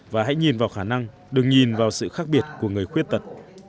và hãy nhìn vào khả năng đừng nhìn vào sự khác biệt của người khuyết tật